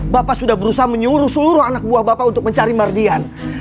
bapak sudah berusaha menyuruh seluruh anak buah bapak untuk mencari mardian